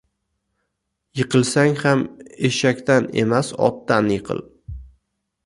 • Yiqilsang ham eshakdan emas, otdan yiqil.